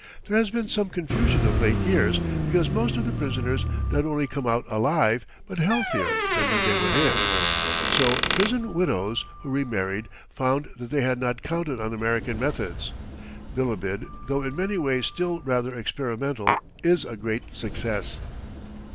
There has been some confusion of late years, because most of the prisoners not only come out alive, but healthier than when they went in. So prison "widows" who remarried found that they had not counted on American methods. Bilibid, though in many ways still rather experimental, is a great success.